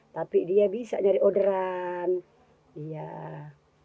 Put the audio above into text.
tapi dia bisa nyari pelanggan